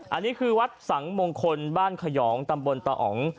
อันนี้คือวัดสังมงคลบ้านขยองตำบลตะอ๋อง